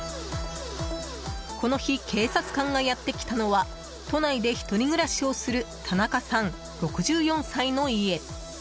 この日警察官がやってきたのは都内で１人暮らしをする田中さん、６４歳の家。